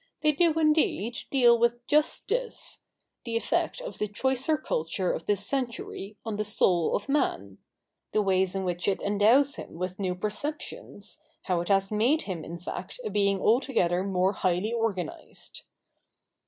They do, indeed, deal with just this — the effect of the choicer culture of this century on the soul of man — the ways in which it endows him with new perceptions — how it has made him, in fact, a being altogether more highly organised.